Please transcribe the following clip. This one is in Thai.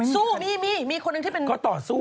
สู้มีมีคนหนึ่งที่เป็นคนต่อสู้